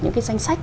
những cái danh sách